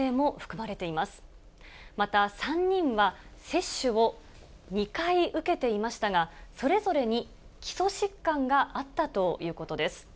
また、３人は接種を２回受けていましたが、それぞれに基礎疾患があったということです。